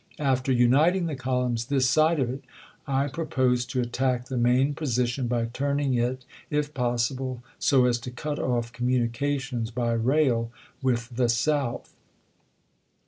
.. After uniting the columns this side of it, I propose to attack the main position, by turning it, if possible, so as to cut off communications by rail with the South.